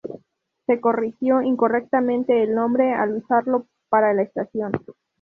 Se corrigió incorrectamente el nombre al usarlo para la estación.